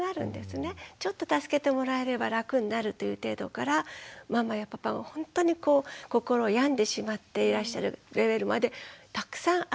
ちょっと助けてもらえれば楽になるという程度からママやパパがほんとにこう心を病んでしまっていらっしゃるレベルまでたくさんあるんです。